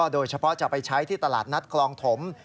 โดยเฉพาะจะไปใช้ที่ตลาดนัดคลองถม